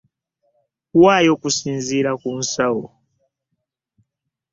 Waayo okusinziira ku nsawo.